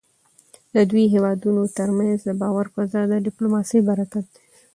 د دوو هېوادونو ترمنځ د باور فضا د ډيپلوماسی برکت دی .